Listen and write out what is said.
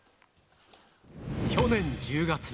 去年１０月。